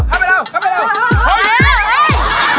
ซอมค่ะ